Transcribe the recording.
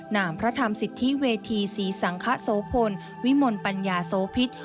นามพระธรรมสิทธิเวทีศรีสังคโสพลวิมลปัญญาโสพิษ